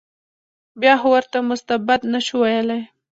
بیا خو ورته مستبد نه شو ویلای.